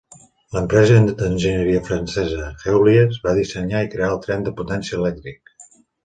L"empresa d"enginyeria francesa Heuliez va dissenyar i crear el tren de potència elèctric.